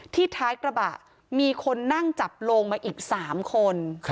ท้ายกระบะมีคนนั่งจับโลงมาอีก๓คน